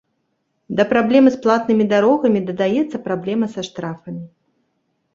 Да праблемы з платнымі дарогамі дадаецца праблема са штрафамі.